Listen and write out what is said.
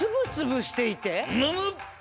むむっ！